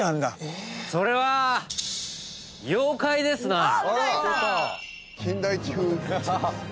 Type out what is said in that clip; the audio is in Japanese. ええそれは妖怪ですなあ